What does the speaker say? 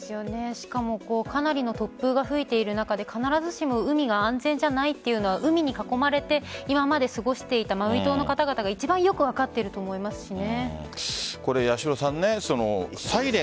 しかもかなりの突風が吹いている中で必ずしも海が安全じゃないというのは海に囲まれて今まで過ごしていたマウイ島の方々が一番よく分かっていると思いますね。